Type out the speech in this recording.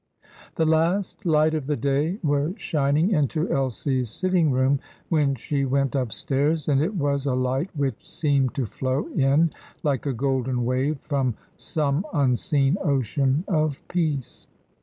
The last light of the day was shining into Elsie's sitting room when she went upstairs, and it was a light which seemed to flow in like a golden wave from some unseen ocean of peace.